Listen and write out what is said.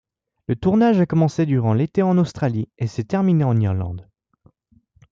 Le tournage a commencé durant l'été en Australie et s'est terminé en Irlande.